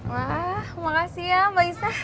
wah makasih ya mbak isa